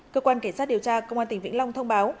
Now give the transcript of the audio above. cơ quan cảnh sát điều tra công an tỉnh vĩnh long thông báo